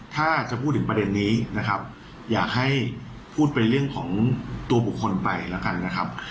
ถ้าจะพูดถึงประเด็นนี้นะครับอยากให้พูดเป็นเรื่องของตัวบุคคลไปแล้วกันนะครับ